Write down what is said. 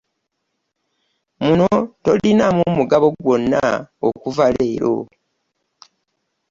Muno tolinaamu mugabo gwonna okuva leero.